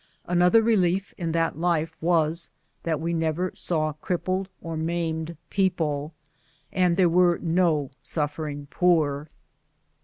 Another relief in that life was that we never saw crippled or maimed peo ple, and there were no suffering poor.